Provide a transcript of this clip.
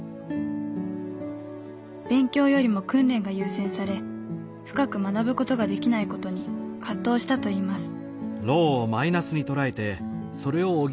勉強よりも訓練が優先され深く学ぶ事ができない事に葛藤したといいます。